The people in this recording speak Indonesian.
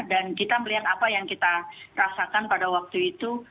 dan kita melihat apa yang kita rasakan pada waktu itu